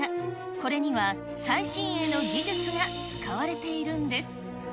これには最新鋭の技術が使われているんです。